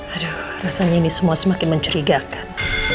aduh rasanya ini semua semakin mencurigakan